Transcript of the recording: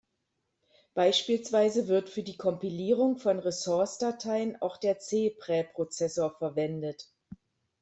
Beispielsweise wird für die Kompilierung von Ressource-Dateien auch der C-Präprozessor verwendet.